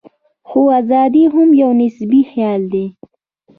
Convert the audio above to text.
خو ازادي هم یو نسبي خیال دی.